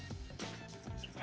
terima kasih selamat malam mbak pus